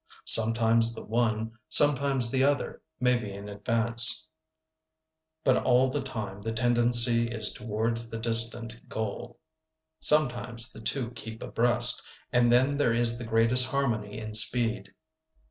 Sometimes the one, sometimes the other, may be in advance, but all the time the tendency is towards the distant goal. Sometimes the two keep abreast, and then there is the greatest harmony in speed.